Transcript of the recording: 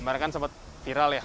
kemarin kan sempat viral ya